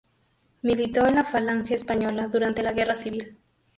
Militó en la Falange Española durante la Guerra Civil.